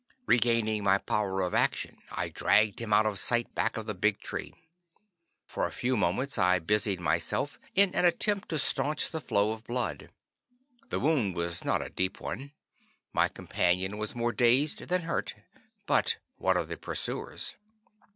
Regaining my power of action, I dragged him out of sight back of the big tree. For a few moments I busied myself in an attempt to staunch the flow of blood. The wound was not a deep one. My companion was more dazed than hurt. But what of the pursuers?